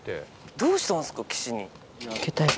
どうしたんですか岸に。